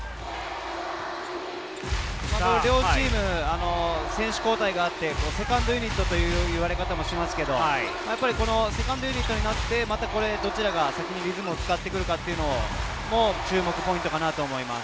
両チーム選手交代があってセカンドユニットという言われ方しますが、セカンドユニットになって、どちらが先にリズムをつかむか注目ポイントかなと思います。